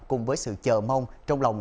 cùng với sự chờ mong trong lòng